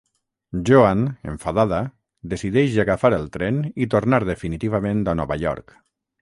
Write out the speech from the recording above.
Joan, enfadada, decideix agafar el tren i tornar definitivament a Nova York.